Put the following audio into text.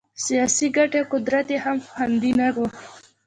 سیاسي ګټې او قدرت یې هم خوندي نه وو.